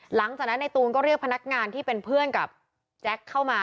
หลังจากนั้นในตูนก็เรียกพนักงานที่เป็นเพื่อนกับแจ็คเข้ามา